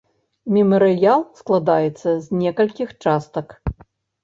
Мемарыял складаецца з некалькіх частак.